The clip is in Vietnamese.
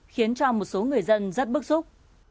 khiến cho một số người dân rất bức xúc